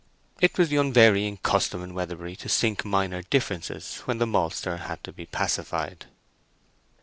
It was the unvarying custom in Weatherbury to sink minor differences when the maltster had to be pacified.